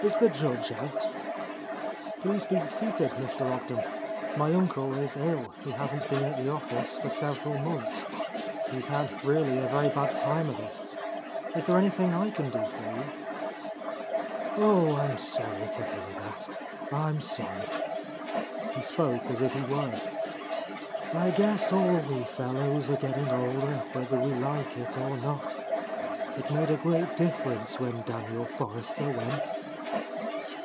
Is the Judge out?" "Please be seated, Mr. Ogden. My uncle is ill. He hasn't been at the office for several months. He's had really a very had time of it. Is there anything I can do for you?" —147— A Lost Lady "Oh, I'm sorry to hear thatl I'm sorry." He spoke as if he were. "I guess all we fel lows are getting older, whether we like it or not. It made a great difference when Daniel Forrester went."